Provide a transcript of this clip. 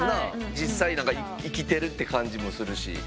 実際生きてるって感じもするし。